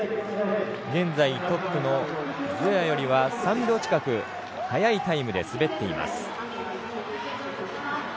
現在、トップのズエワより３秒近く早いタイムで滑っています